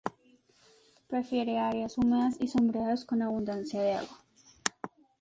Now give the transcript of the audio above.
Prefiere áreas húmedas y sombreadas con abundancia de agua.